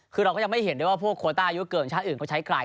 คือเราก็ยังไม่เห็นด้วยว่าพวกโคต้าอายุเกินชาติอื่นเขาใช้ใคร